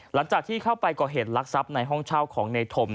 หลังจากที่เข้าไปก่อเหตุลักษัพในห้องเช่าของในธม